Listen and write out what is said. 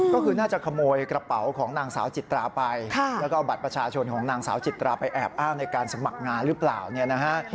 ก็คือน่าจะขโมยกระเป๋าของนางสาวจิตราไปแล้วก็เอาบัตรประชาชนของนางสาวจิตราไปแอบอ้างในการสมัครงานหรือเปล่าเนี่ยนะฮะ